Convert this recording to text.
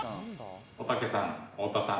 おたけさん太田さん